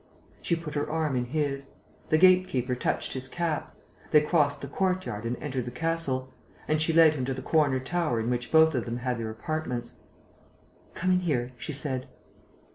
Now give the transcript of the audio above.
She put her arm in his. The gate keeper touched his cap. They crossed the courtyard and entered the castle; and she led him to the corner tower in which both of them had their apartments: "Come in here," she said.